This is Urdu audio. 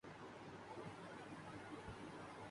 نئے مکان میں کھڑکی نہیں بناؤں گا